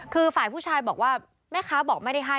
คือฝ่ายผู้ชายบอกว่าแม่ค้าบอกไม่ได้ให้